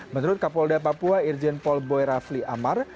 menurut kapolda papua irjen polboy rafli amar